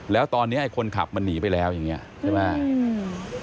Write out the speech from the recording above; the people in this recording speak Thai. แล้วตอนนี้ไอ้คนขับมันหนีไปแล้วอย่างนี้ใช่ไหม